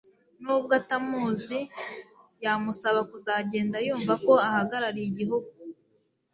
nubwo atamuzi yamusaba kuzagenda yumva ko ahagarariye igihugu